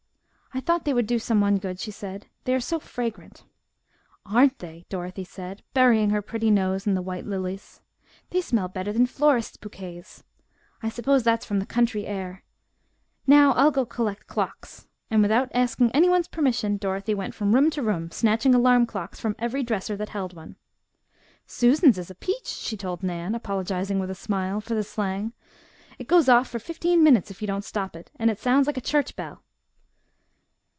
"I thought they would do someone good," she said. "They are so fragrant." "Aren't they!" Dorothy said, burying her pretty nose in the white lilies. "They smell better than florists' bouquets. I suppose that's from the country air. Now I'll go collect clocks," and without asking anyone's permission Dorothy went from room to room, snatching alarm clocks from every dresser that held one. "Susan's is a peach," she told Nan, apologizing with a smile, for the slang. "It goes off for fifteen minutes if you don't stop it, and it sounds like a church bell."